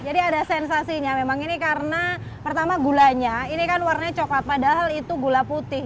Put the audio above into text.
jadi ada sensasinya memang ini karena pertama gulanya ini kan warnanya coklat padahal itu gula putih